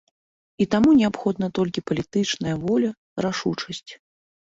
І таму неабходна толькі палітычная воля, рашучасць.